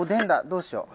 どうしよう。